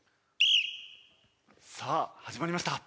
さあ始まりました。